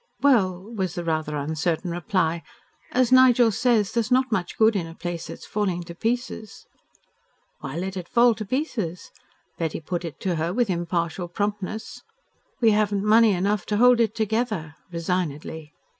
"Well," was the rather uncertain reply, "as Nigel says, there's not much good in a place that is falling to pieces." "Why let it fall to pieces?" Betty put it to her with impartial promptness. "We haven't money enough to hold it together," resignedly.